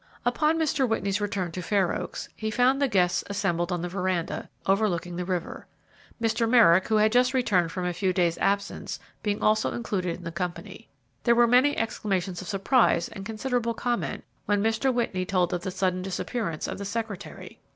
Upon Mr. Whitney's return to Fair Oaks, he found the guests assembled on the veranda, overlooking the river, Mr. Merrick, who had just returned from a few days' absence, being also included in the company. There were many exclamations of surprise and considerable comment when Mr. Whitney told of the sudden disappearance of the secretary.